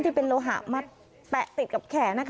ที่เป็นโลหะมาแปะติดกับแขนนะคะ